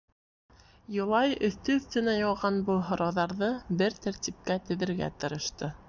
Юлай өҫтө-өҫтөнә яуған был һорауҙарҙы бер тәртипкә теҙергә тырышты.